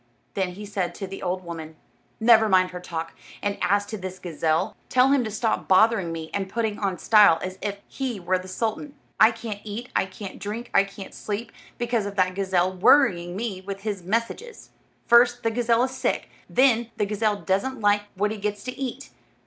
Then he said to the old woman: "Never mind her talk; and as to this gazelle, tell him to stop bothering me and putting on style, as if he were the sultan. I can't eat, I can't drink, I can't sleep, because of that gazelle worrying me with his messages. First, the gazelle is sick; then, the gazelle doesn't like what he gets to eat.